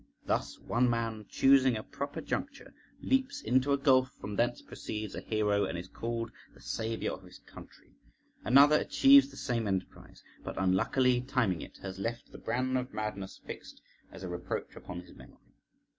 Thus one man, choosing a proper juncture, leaps into a gulf, from thence proceeds a hero, and is called the saviour of his country. Another achieves the same enterprise, but unluckily timing it, has left the brand of madness fixed as a reproach upon his memory.